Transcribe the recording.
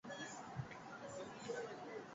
痢止蒿为唇形科筋骨草属下的一个种。